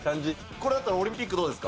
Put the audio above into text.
これだったら、オリンピックどうですか？